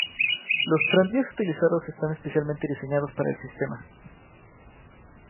Los tranvías utilizados están especialmente diseñados para el sistema.